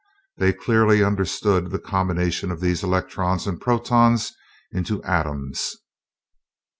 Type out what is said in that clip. They clearly understood the combination of these electrons and protons into atoms.